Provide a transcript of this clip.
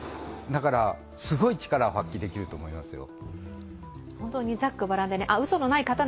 だからすごい力を発揮できると思いますよ。